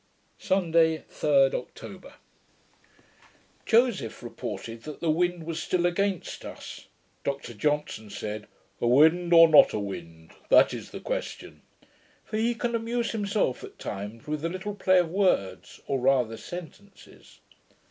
Sunday, 3d October Joseph reported that the wind was still against us. Dr Johnson said, 'A wind, or not a wind? that is the question'; for he can amuse himself at times with a little play of words, or rather sentences.